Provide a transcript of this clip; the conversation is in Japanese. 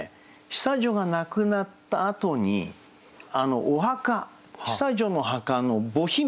久女が亡くなったあとにお墓久女の墓の墓碑銘